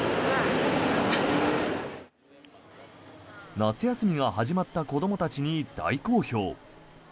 夏休みが始まった子どもたちに大好評。